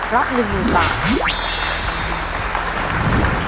รับหนึ่งหนูบาท